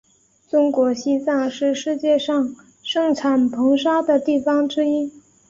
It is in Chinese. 中国西藏是世界上盛产硼砂的地方之一。